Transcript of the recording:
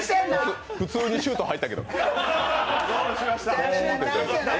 普通にシュート入ったけど。